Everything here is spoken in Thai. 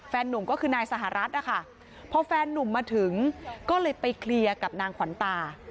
นุ่มก็คือนายสหรัฐนะคะพอแฟนนุ่มมาถึงก็เลยไปเคลียร์กับนางขวัญตา